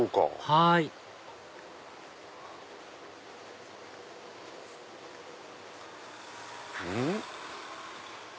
はいうん？